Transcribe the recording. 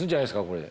これ。